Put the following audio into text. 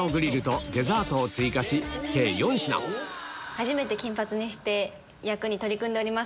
初めて金髪にして役に取り組んでおります。